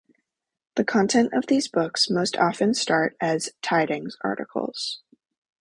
The content of these books most often start as "Tidings" articles.